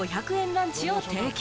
ランチを提供。